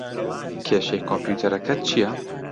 کێشەی کۆمپیوتەرەکەت چییە؟